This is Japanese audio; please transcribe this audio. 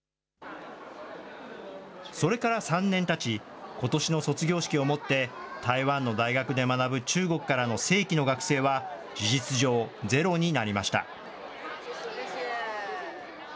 それから３年たち、ことしの卒業式をもって、台湾の大学で学ぶ中国からの正規の学生は事実上ゼロになりました。